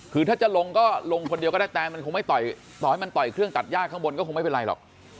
คือถ้าจะลงก็ลงคนเดียวก็ได้แต่มันคงไม่ต่อให้มันต่อยเครื่องตัดย่าข้างบนก็คงไม่เป็นไรหรอก